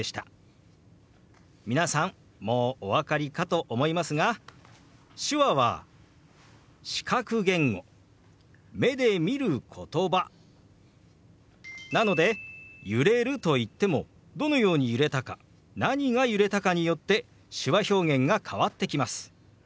皆さんもうお分かりかと思いますが手話は視覚言語目で見る言葉なので揺れると言ってもどのように揺れたか何が揺れたかによって手話表現が変わってきます。